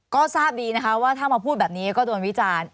ก็ทราบดีนะคะว่าถ้ามาพูดแบบนี้ก็โดนวิจารณ์